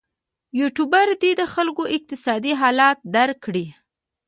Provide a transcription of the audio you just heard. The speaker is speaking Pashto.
یوټوبر دې د خلکو اقتصادي حالت درک کړي.